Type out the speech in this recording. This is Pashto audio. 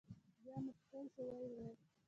بیا مسکی شو او ویې ویل.